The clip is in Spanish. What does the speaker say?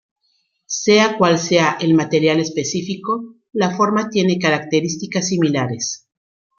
Sea cual sea el material específico, la forma tiene características similares.